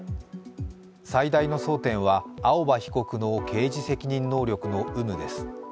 最大の争点は青葉被告の刑事責任能力の有無です。